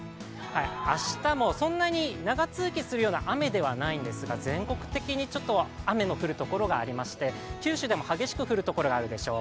明日もそんなに長続きするような雨ではないんですが全国的にちょっと雨の降るところがありまして、九州でも激しく降るところがあるでしょう。